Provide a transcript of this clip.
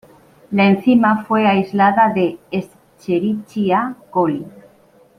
La enzima fue aislada de "Escherichia coli".